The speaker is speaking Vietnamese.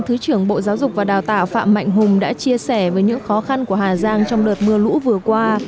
thứ trưởng bộ giáo dục và đào tạo phạm mạnh hùng đã chia sẻ với những khó khăn của hà giang trong đợt mưa lũ vừa qua